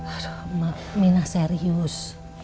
aduh mak minah serius